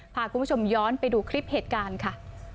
พาคุณผู้ชมย้อนไปดูคลิปเหตุการณ์ค่ะ